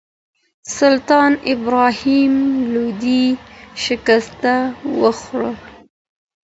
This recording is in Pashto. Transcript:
سلطان ابراهیم لودي شکست وخوړ